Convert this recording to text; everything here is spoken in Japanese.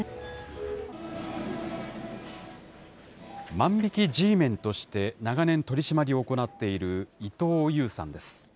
万引きＧメンとして長年、取締りを行っている伊東ゆうさんです。